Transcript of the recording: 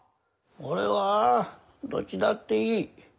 俺はどっちだっていい。